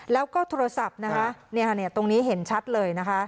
แล้วก็โทรศัพท์ตรงนี้เห็นชัดเลย